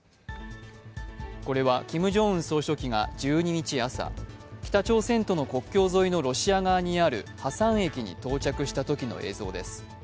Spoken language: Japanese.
これはキム・ジョンウン総書記が１２日朝、北朝鮮との国境沿いのロシア側にあるハサン駅に到着したときの映像です。